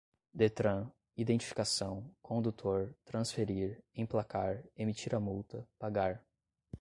detran, identificação, condutor, transferir, emplacar, emitir a multa, pagar